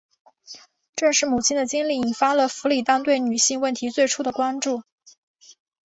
正是母亲的经历引发了弗里丹对女性问题最初的关注。